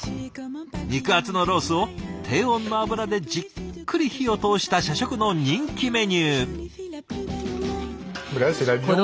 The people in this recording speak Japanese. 肉厚のロースを低温の油でじっくり火を通した社食の人気メニュー。